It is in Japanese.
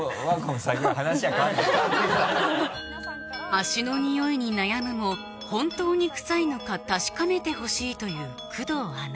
足のニオイに悩むも本当にクサいのか確かめてほしいという工藤アナ